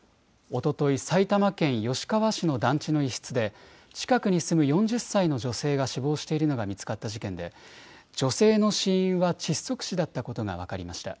おととい、埼玉県吉川市の団地の一室で、近くに住む４０歳の女性が死亡しているのが見つかった事件で、女性の死因は窒息死だったことが分かりました。